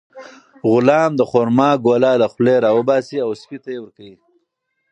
غلام د خورما ګوله له خولې راوباسي او سپي ته یې ورکوي.